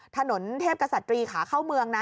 ถนนเทพกษัตรีขาเข้าเมืองนะ